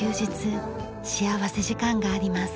幸福時間があります。